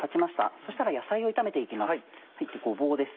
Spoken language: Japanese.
そしたら野菜を炒めて行きます